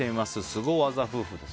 スゴ技夫婦です。